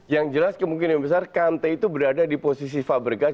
yang jelas kemungkinan besar kante itu berada di posisi fabregas